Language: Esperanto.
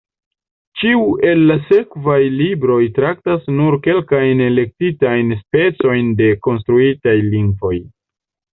Ĉiu el la sekvaj libroj traktas nur kelkajn elektitajn specojn de konstruitaj lingvoj.